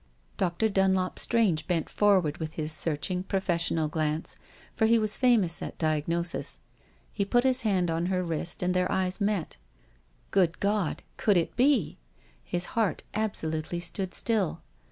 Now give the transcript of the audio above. Dr. Dunlop Strange bent forward with his searching professional glance. He was famous at dia^osis. He put his hand on her wrist, and their eyes met. Good God ! Could it be ? His heart absolutely stood still.